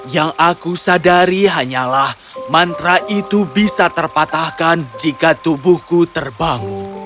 yang aku sadari hanyalah mantra itu bisa terpatahkan jika tubuhku terbangun